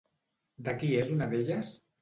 De qui és una d'elles?